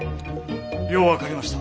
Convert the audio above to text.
よう分かりました。